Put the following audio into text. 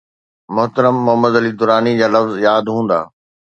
محترم محمد علي دراني جا لفظ ياد هوندا.